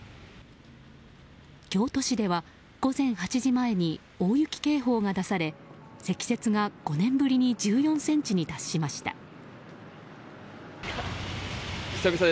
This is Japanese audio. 京都市では午前８時前に大雪警報が出され積雪が５年ぶりに１４ｃｍに達しました。